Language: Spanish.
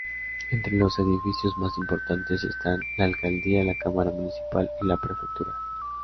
Entre los edificios más importantes están: la Alcaldía, la Cámara Municipal y la prefectura.